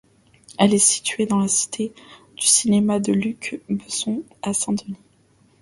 Elle est située dans la Cité du Cinéma de Luc Besson à Saint-Denis.